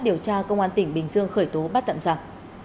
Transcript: điều tra công an tỉnh bình dương khởi tố bắt tạm giặc